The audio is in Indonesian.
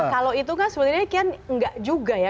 kalau itu kan sebenarnya kian enggak juga ya